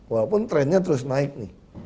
walaupun trennya terus naik nih